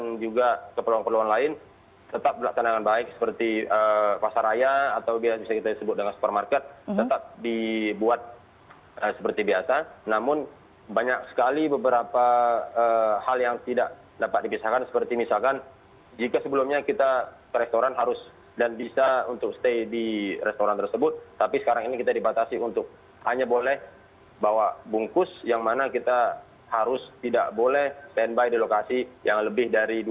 dan juga keperluan perluan lain tetap melaksanakan baik seperti pasaraya atau bisa kita sebut dengan supermarket tetap dibuat seperti biasa namun banyak sekali beberapa hal yang tidak dapat dipisahkan seperti misalkan jika sebelumnya kita ke restoran harus dan bisa untuk stay di restoran tersebut tapi sekarang ini kita dibatasi untuk hanya boleh bawa bungkus yang mana kita harus tidak boleh stand by di lokasi yang lebih dari dua